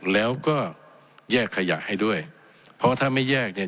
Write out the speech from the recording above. แล้วก็แยกขยะให้ด้วยเพราะถ้าไม่แยกเนี่ย